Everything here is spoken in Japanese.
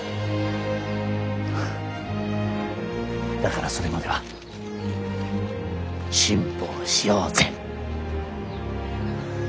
だからそれまでは辛抱しようぜ。